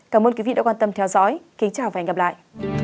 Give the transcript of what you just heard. cảm ơn quý vị đã quan tâm theo dõi kính chào và hẹn gặp lại